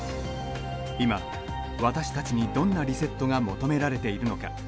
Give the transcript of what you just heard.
今、私たちにどんなリセットが求められているのか。